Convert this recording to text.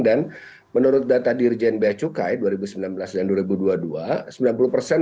dan menurut data dirjen beacukai dua ribu sembilan belas dan dua ribu dua puluh dua